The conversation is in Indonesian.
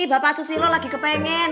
bapak susilo lagi kepengen